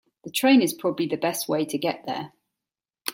The train is probably the best way to get there.